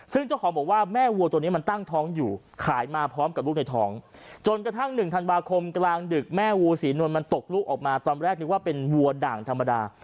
ซึ่งเจ้าของบอกว่าแม่วัวตัวนี้มันตั้งท้องอยู่ขายมาพร้อมกับลูกในท้องจนกระทั่ง๑ธันวาคมกลางดึกแม่วัวศรีนวลมันตกลูกออกมาตอนแรกนึกว่าเป็นวัวด่างธรรมดา